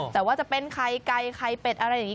แต่ว่าจะเป็นไข่ไก่ไข่เป็ดอะไรอย่างนี้